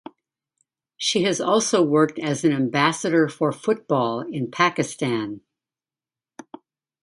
She has also worked as an ambassador for football in Pakistan.